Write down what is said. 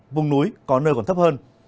vùng núi có nơi còn thấp hơn